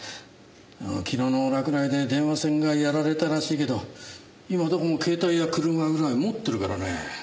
昨日の落雷で電話線がやられたらしいけど今はどこも携帯や車ぐらい持ってるからね。